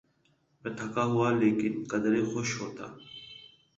میں تھکا ہوا لیکن قدرے خوش ہوتا۔